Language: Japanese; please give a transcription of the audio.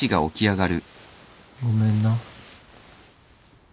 ごめんな。